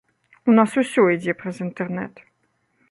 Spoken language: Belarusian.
У нас усё ідзе праз інтэрнэт.